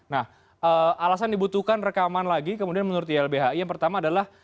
nah alasan dibutuhkan rekaman lagi kemudian menurut ylbhi yang pertama adalah